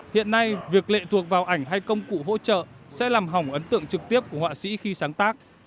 hiện nay việc lệ thuộc vào ảnh hay công cụ hỗ trợ sẽ làm hỏng ấn tượng trực tiếp của họa sĩ khi sáng tác